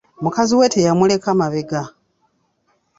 Mukazi we teyamuleka mabega.